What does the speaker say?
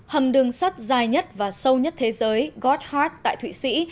hầm đường sắt dài nhất và sâu nhất thế giới godh tại thụy sĩ